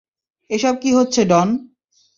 এসব কি হচ্ছে, ডন?